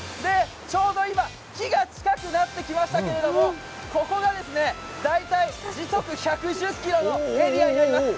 ちょうど今、木が近くなってきましたけれども、ここが大体時速１１０キロのエリアになります。